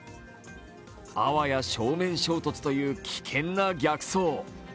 あわや正面衝突という危険な逆走。